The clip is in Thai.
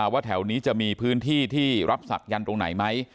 ว่าแถวนี้จะมีพื้นที่ที่รับศักยันต์ตรงไหนไหม